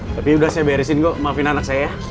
tapi udah saya beresin mbak maafin anak saya ya